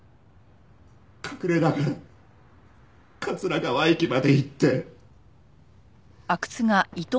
隠れながら桂川駅まで行って。